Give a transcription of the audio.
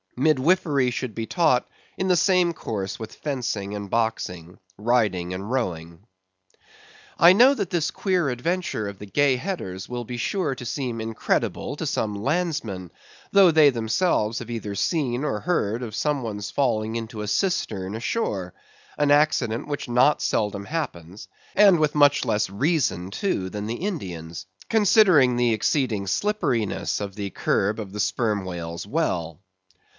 Midwifery should be taught in the same course with fencing and boxing, riding and rowing. I know that this queer adventure of the Gay Header's will be sure to seem incredible to some landsmen, though they themselves may have either seen or heard of some one's falling into a cistern ashore; an accident which not seldom happens, and with much less reason too than the Indian's, considering the exceeding slipperiness of the curb of the Sperm Whale's well.